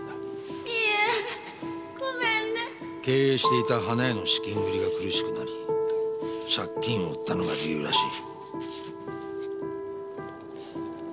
経営していた花屋の資金繰りが苦しくなり借金を負ったのが理由らしい。